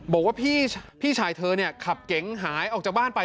บอกว่าพี่ชายเธอขับเก๋งหายออกจากบ้านไป